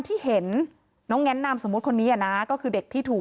ที่เห็นน้องแง้นนามสมมุติคนนี้อ่ะนะก็คือเด็กที่ถูก